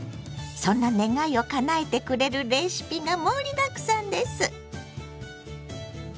そんな願いをかなえてくれるレシピが盛りだくさんです！